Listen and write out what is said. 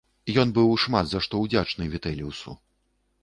Ён быў шмат за што ўдзячны Вітэліусу.